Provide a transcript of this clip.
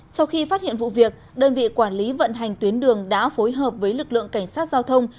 sau khi phát hiện vụ việc đơn vị quản lý vận hành tuyến đường đã phối hợp với lực lượng cảnh sát giao thông